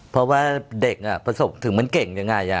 เพราะว่าเด็กประสบถึงมันเก่งยังไง